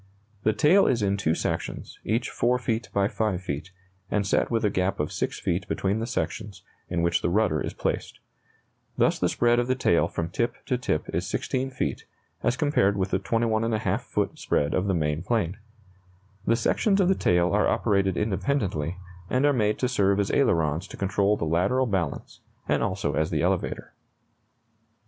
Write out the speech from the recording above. The tail is in two sections, each 4 feet by 5 feet, and set with a gap of 6 feet between the sections, in which the rudder is placed. Thus the spread of the tail from tip to tip is 16 feet, as compared with the 21½ foot spread of the main plane. The sections of the tail are operated independently, and are made to serve as ailerons to control the lateral balance, and also as the elevator.